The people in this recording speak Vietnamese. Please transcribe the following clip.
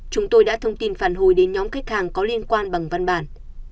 chúng tôi đã thông tin phản hồi đến nhóm khách hàng có liên quan bằng văn bản